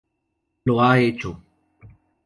Lo ha hecho.